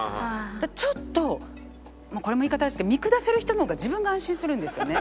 だからちょっとこれも言い方あれですけど見下せる人の方が自分が安心するんですよね。